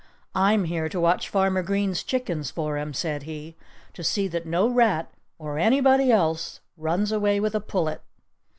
"I'm here to watch Farmer Green's chickens for him—" said he—"to see that no rat—or anybody else—runs away with a pullet."